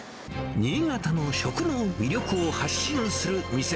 新潟の食の魅力を発信する店。